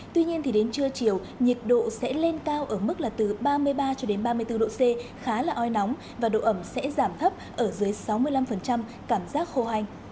tuy nhiên thì đến trưa chiều nhiệt độ sẽ lên cao ở mức là từ ba mươi ba cho đến ba mươi bốn độ c khá là oi nóng và độ ẩm sẽ giảm thấp ở dưới sáu mươi năm cảm giác khô hành